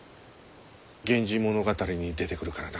「源氏物語」に出てくるからだ。